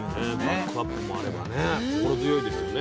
バックアップもあればね心強いですよね。